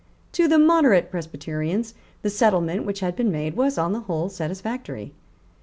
To the moderate Presbyterians the settlement which had been made was on the whole satisfactory.